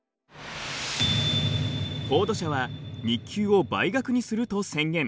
フォード社は日給を倍額にすると宣言。